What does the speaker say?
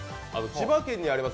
千葉県にあります